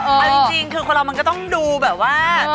เอาจริงคือคนเรามันก็ต้องดูแบบว่า